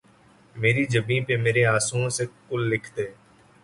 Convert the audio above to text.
مری جبیں پہ مرے آنسوؤں سے کل لکھ دے